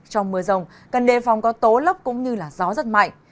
trong mưa rông cần đề phòng có tố lốc cũng như gió rất mạnh